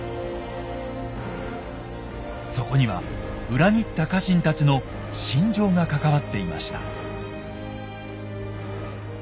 そこには裏切った家臣たちの心情が関わっていました。